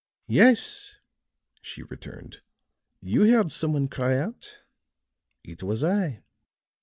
"Yes," she returned, "you heard some one cry out. It was I."